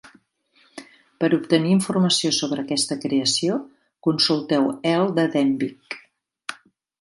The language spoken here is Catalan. Per obtenir informació sobre aquesta creació, consulteu Earl de Denbigh.